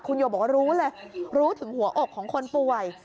คุณโยบอกว่ารู้เลยรู้ถึงหัวอกของคนป่วย